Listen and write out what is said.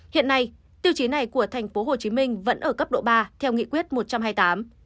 hiện nay tiêu chí này của thành phố hồ chí minh vẫn ở cấp độ ba theo nghị quyết một trăm hai mươi tám